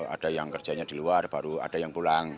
ada yang kerjanya di luar baru ada yang pulang